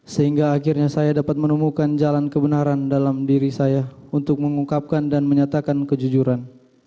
sehingga akhirnya saya dapat menemukan jalan kebenaran dalam diri saya untuk mengungkapkan dan menyatakan kejujuran